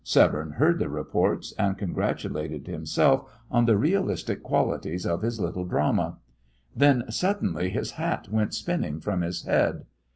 Severne heard the reports, and congratulated himself on the realistic qualities of his little drama. Then suddenly his hat went spinning from his head.